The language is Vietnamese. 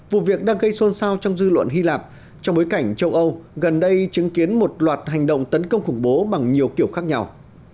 vụ việc đang gây xôn xao trong dư luận hy lạp trong bối cảnh châu âu gần đây chứng kiến một loạt hành động tấn công khủng bố bằng nhiều kiểu khác nhau